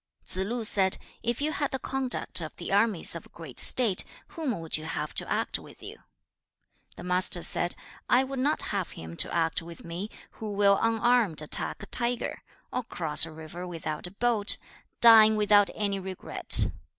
Tsze lu said, 'If you had the conduct of the armies of a great State, whom would you have to act with you?' 3. The Master said, 'I would not have him to act with me, who will unarmed attack a tiger, or cross a river without a boat, dying without any regret.